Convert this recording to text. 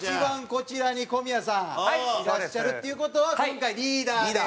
こちらに小宮さんいらっしゃるっていう事は今回リーダーで。